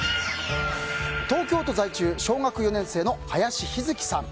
東京都在住、小学４年生の林陽月さん。